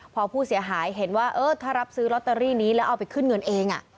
พอผู้เสียหายเห็นว่าเออถ้ารับซื้อลอตเตอรี่นี้แล้วเอาไปขึ้นเงินเอง